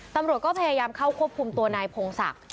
ตำรวจก็พยายามเข้าควบคุมตัวนายพงศักดิ์